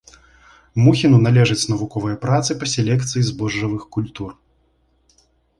Мухіну належаць навуковыя працы па селекцыі збожжавых культур.